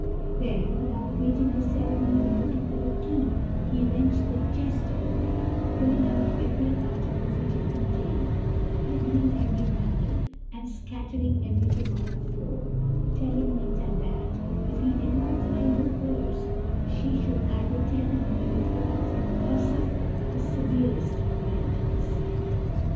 There, without waiting the ceremony of looking for the key, he wrenched the chest open, pulling out every article which it contained, opening every bundle, and scattering everything on the floor, telling Meeta that, if he did not find the purse, she should either tell him where it was or suffer his severest vengeance.